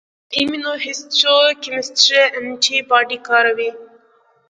د ایمونوهیسټوکیمسټري انټي باډي کاروي.